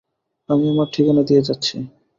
আমি আমার ঠিকানা দিয়ে যাচ্ছি।